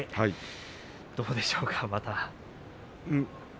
どうでしょうか？